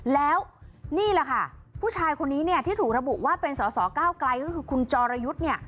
แล้วนี่แหละค่ะผู้ชายคนนี้เนี่ยที่ถูกระบุว่าเป็นสอสอเก้ากลายคือคุณจอรยุทธ์เนี่ย